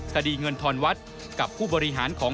คดีเงินทอนวัดกับผู้บริหารของ